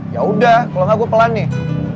ya udah kalo gak gue pelan nih